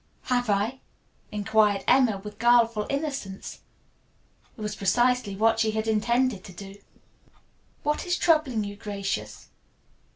"Have I?" inquired Emma with guileful innocence. It was precisely what she had intended to do. "What is troubling you, Gracious?"